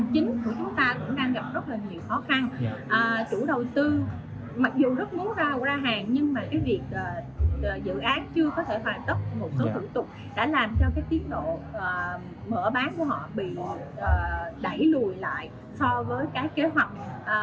các chính sách chưa có thể hoàn tất một số thủ tục đã làm cho cái tiến độ mở bán của họ bị đẩy lùi lại so với cái kế hoạch